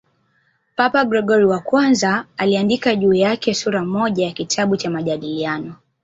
Papa Gregori I aliandika juu yake sura moja ya kitabu cha "Majadiliano".